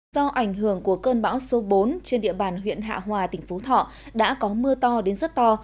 do ảnh hưởng của cơn bão số bốn trên địa bàn huyện hạ hòa tỉnh phú thọ đã có mưa to đến rất to